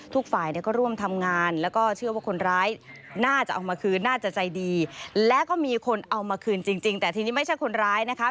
ฝ่ายเนี่ยก็ร่วมทำงานแล้วก็เชื่อว่าคนร้ายน่าจะเอามาคืนน่าจะใจดีและก็มีคนเอามาคืนจริงแต่ทีนี้ไม่ใช่คนร้ายนะคะ